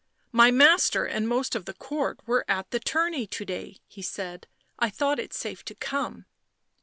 " My master and most of the Court were at the tourney to day," he said. " I thought it safe to come."